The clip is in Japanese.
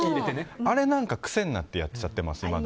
あれなんか癖になってやっちゃいます。